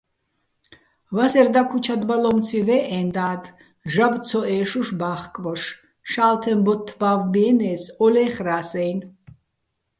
ვასერ დაქუჩადბალო́მციჼ ვე́ჸეჼ და́დ, ჟაბო́ ცოჸე́შუშ ბა́ხკბოშ: "შა́ლთეჼ ბოთთ ბავბიენე́ს, ო ლე́ხრას"-აჲნო̆.